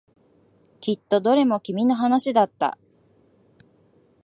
きっとどれも君の話だった。